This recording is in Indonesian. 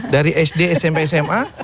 dari sd smp sma